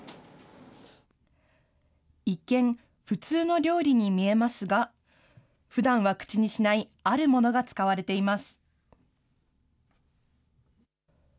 一見、普通の料理に見えますが、ふだんは口にしないあるものが使われています。